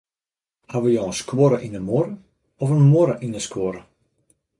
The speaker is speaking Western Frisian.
Hawwe jo in skuorre yn de muorre, of in muorre yn de skuorre?